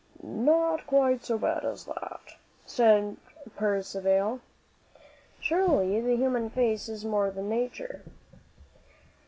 "Not quite so bad as that," said Percivale. "Surely the human face is more than nature."